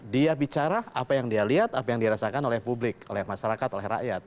dia bicara apa yang dia lihat apa yang dirasakan oleh publik oleh masyarakat oleh rakyat